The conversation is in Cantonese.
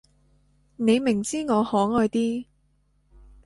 你明知我可愛啲